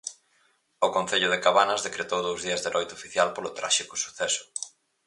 O concello de Cabanas decretou dous días de loito oficial polo tráxico suceso.